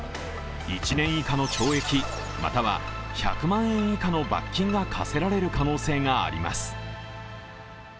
１年以下の懲役、または１００万円以下の罰金が科せられる可能性があります。